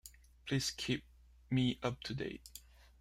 Please keep me up-to-date.